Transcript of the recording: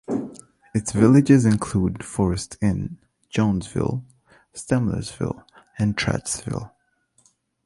Its villages include Forest Inn, Jonesville, Stemlersville, and Trachsville.